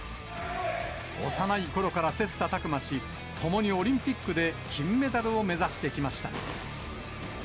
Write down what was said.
幼いころから切さたく磨し、共にオリンピックで金メダルを目指してきました。